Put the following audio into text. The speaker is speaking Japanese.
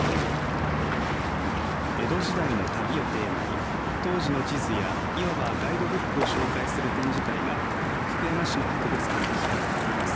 江戸時代の旅をテーマに当時の地図や、いわばガイドブックを紹介する展示会が福山市の博物館で開かれています。